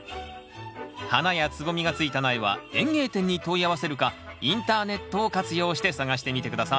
花や蕾がついた苗は園芸店に問い合わせるかインターネットを活用して探してみて下さい。